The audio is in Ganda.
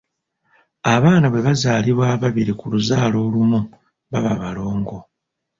Abaana bwe bazaalibwa ababiri ku luzaala olumu baba balongo.